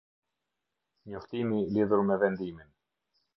Njoftimi lidhur me vendimin.